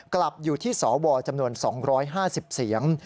กลับอยู่ที่สวจำนวน๒๕๐เสียง